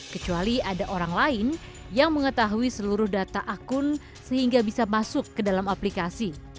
kecuali ada orang lain yang mengetahui seluruh data akun sehingga bisa masuk ke dalam aplikasi